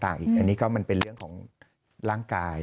อันนี้ก็มันเป็นเรื่องของร่างกาย